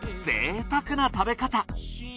ぜいたくな食べ方。